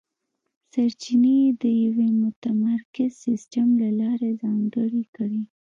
سرچینې یې د یوه متمرکز سیستم له لارې ځانګړې کړې.